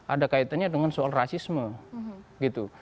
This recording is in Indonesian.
ada kaitannya dengan soal rasisme gitu